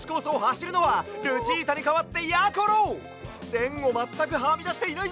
せんをまったくはみだしていないぞ！